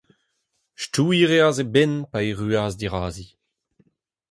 Stouiñ 'reas e benn pa erruas dirazi.